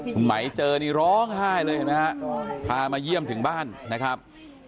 คุณไหมเจอนี่ร้องไห้เลยเห็นไหมฮะพามาเยี่ยมถึงบ้านนะครับ